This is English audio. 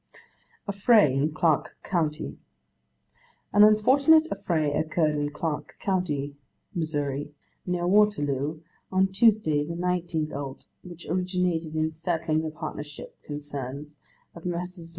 'Affray in Clarke County. 'An unfortunate affray occurred in Clarke county (MO.), near Waterloo, on Tuesday the 19th ult., which originated in settling the partnership concerns of Messrs.